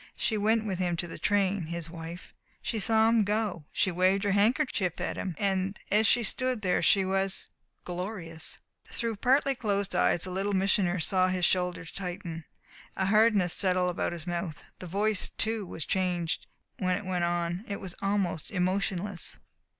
She went with him to the train his wife. She saw him go. She waved her handkerchief at him. And as she stood there she was glorious." Through partly closed eyes the Little Missioner saw his shoulders tighten, and a hardness settle about his mouth. The voice, too, was changed when it went on. It was almost emotionless.